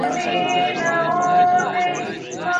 تاسې کولای سئ د خپلو نظریاتو پر بنسټ نوې پروژې وړاندې کړئ.